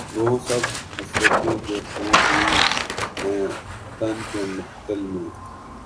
گنو سب حسرتیں جو خوں ہوئی ہیں تن کے مقتل میں